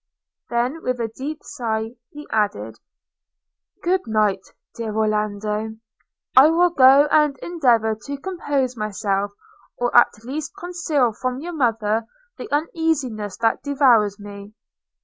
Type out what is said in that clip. Then with a deep sigh, he added, 'Good night, dear Orlando! I will go and endeavour to compose myself, or at least conceal from your mother the uneasiness that devours me.